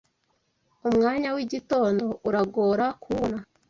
Umwanya w'igitondo uragora kuwubona